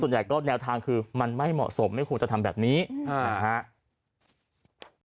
ส่วนใหญ่ก็แนวทางคือมันไม่เหมาะสมไม่ควรจะทำแบบนี้นะฮะ